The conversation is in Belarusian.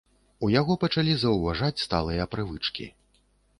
У яго пачалі заўважаць сталыя прывычкі.